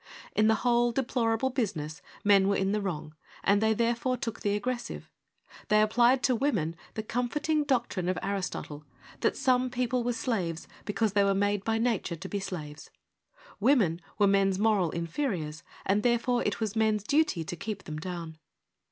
In the whole deplorable business men were in the wrong, and they therefore took the aggressive. They applied to women the comforting doctrine of Aristotle, that some people were slaves because they were made by nature to be slaves : women were men's moral inferiors, and therefore it was men's duty to keep them down.